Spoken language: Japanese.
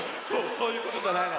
そういうことじゃないの。